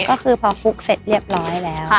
ก็คือพอคลุกเสร็จเรียบร้อยแล้ว